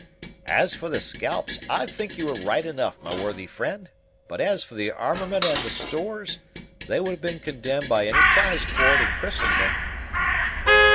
"As for the scalps, I think you were right enough, my worthy friend; but as for the armament and the stores, they would have been condemned by any prize court in Christendom."